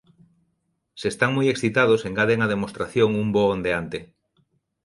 Se están moi excitados engaden á demostración un voo ondeante.